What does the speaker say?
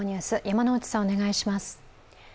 山内さん、お願いします。